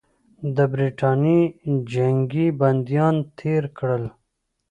د برټانیې جنګي بندیان تېر کړل.